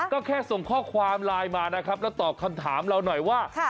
ก็แค่ส่งข้อความไลน์มานะครับแล้วตอบคำถามเราหน่อยว่า